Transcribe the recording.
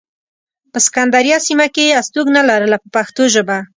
په سکندریه سیمه کې یې استوګنه لرله په پښتو ژبه.